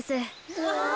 うわ！